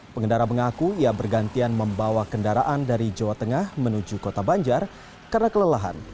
pengendara mengaku ia bergantian membawa kendaraan dari jawa tengah menuju kota banjar karena kelelahan